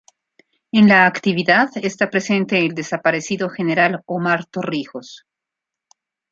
En la actividad está presente el desaparecido General Omar Torrijos.